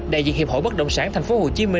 đại diện hiệp hội bất động sản tp hcm